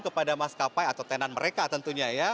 kepada maskapai atau tenan mereka tentunya ya